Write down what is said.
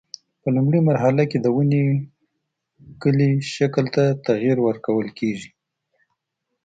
په لومړۍ مرحله کې د ونې کلي شکل ته تغییر ورکول کېږي.